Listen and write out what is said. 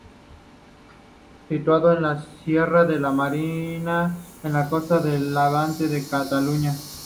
Situado en la sierra de la Marina, en la costa de levante de Cataluña.